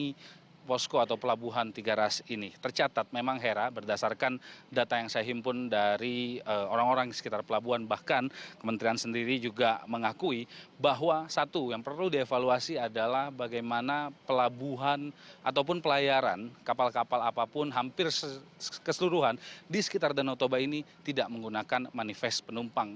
pembelajaran posko atau pelabuhan tiga ras ini tercatat memang hera berdasarkan data yang saya himpun dari orang orang di sekitar pelabuhan bahkan kementerian sendiri juga mengakui bahwa satu yang perlu dievaluasi adalah bagaimana pelabuhan ataupun pelayaran kapal kapal apapun hampir keseluruhan di sekitar danau toba ini tidak menggunakan manifest penumpang